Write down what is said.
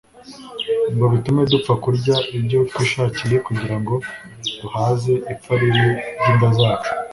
ngo bitume dupfa kurya ibyo twishakiye kugira ngo duhaze ipfa ribi ry'inda zacu